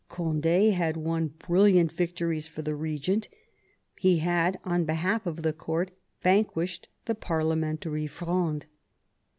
Cond^ had won brilliant victories for the regent ; he had, on behalf of the court, vanquished the Parliamentary Fronde.